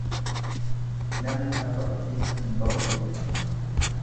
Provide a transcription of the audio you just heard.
Namni kaka'u bifa hin ba'u jechuudha.